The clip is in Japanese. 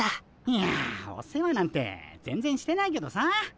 いやお世話なんて全然してないけどさ。